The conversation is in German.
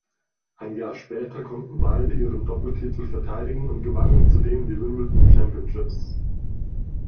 Ein Jahr später konnten beide ihren Doppeltitel verteidigen und gewannen zudem die Wimbledon Championships.